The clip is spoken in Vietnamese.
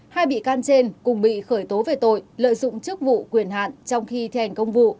hai bị can trên cùng bị khởi tố về tội lợi dụng chức vụ quyền hạn trong khi thi hành công vụ